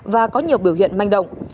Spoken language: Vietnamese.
và có nhiều biểu hiện manh động